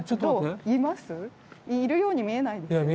いるように見えないですよね。